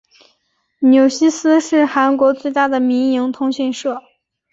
纽西斯是韩国最大的民营通讯社。